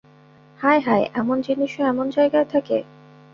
হায় হায়, এমন জিনিসও এমন জায়গায় থাকে!